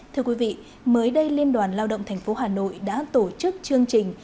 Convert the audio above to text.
thưa quý vị mới đây liên đoàn lao động tp hà nội đã tổ chức chương trình